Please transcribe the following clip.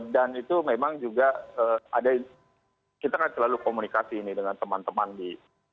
dan itu memang juga ada kita kan selalu komunikasi ini dengan teman teman di